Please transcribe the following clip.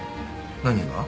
何が？